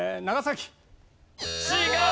違う！